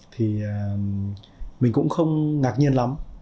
thì mình cũng không ngạc nhiên lắm